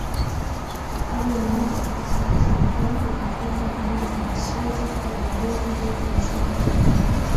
hali ambapo kwa sasa serikali imetenga eneo la jisozi wa balozi zote nchini humo